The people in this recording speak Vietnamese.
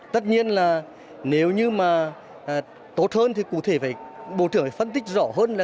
tất nhiên là nếu như mà tốt hơn thì cụ thể phải bộ trưởng phải phân tích rõ hơn là